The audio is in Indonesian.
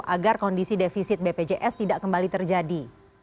agar kondisi defisit bpjs tidak kembali terjadi